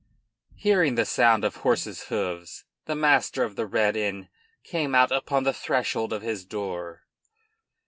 Hearing the sound of horses' hoofs, the master of the Red Inn came out upon the threshold of his door.